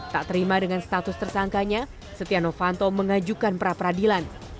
tak terima dengan status tersangkanya setianofanto mengajukan perapradilan